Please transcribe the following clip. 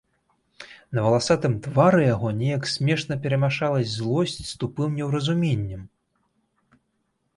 На валасатым твары яго неяк смешна перамяшалася злосць з тупым неўразуменнем.